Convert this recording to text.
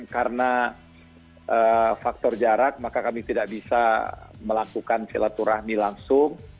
karena faktor jarak maka kami tidak bisa melakukan silaturahmi langsung